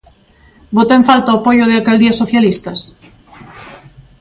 Bota en falta o apoio de Alcaldías socialistas?